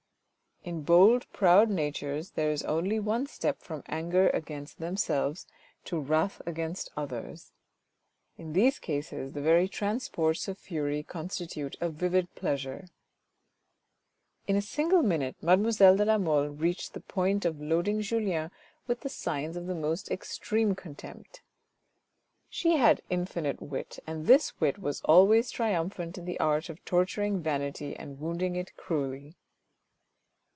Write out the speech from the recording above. In bold, proud natures there is only one step from anger against themselves to wrath against others. In these cases the very transports of fury constitute a vivid pleasure. In a single minute mademoiselle de la Mole reached the point of loading Julien with the signs of the most extreme contempt. She had infinite wit, and this wit was always triumphant in the art of torturing vanity and wounding it cruelly.